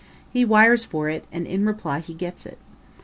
He wires for it, and in reply he gets it.